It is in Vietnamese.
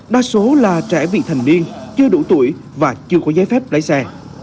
những thành niên chưa đủ tuổi và chưa có giấy phép đáy xe